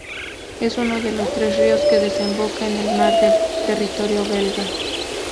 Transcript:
Es uno de los tres ríos que desembocan en el mar en territorio belga.